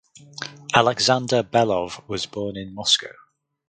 Alexander Belov was born in Moscow.